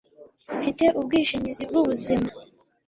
mfite ubwishingizi bw'ubuzima